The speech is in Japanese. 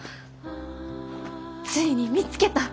ついに見つけた。